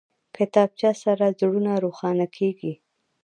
کتابچه سره زړونه روښانه کېږي